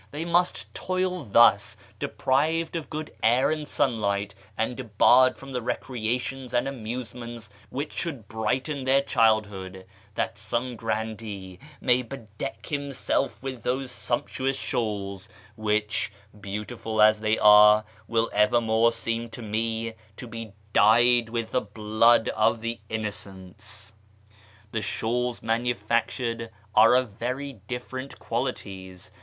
They must toil thus, deprived of good air and sunlight, and debarred from the recreations and amusements which should brighten their childhood, that some grandee may bedeck himself with those sumptuous shawls, which, beautiful as they are, will evermore seem to me to be dyed with the blood of the innocents ! The shawls manu factured are of very different qualities.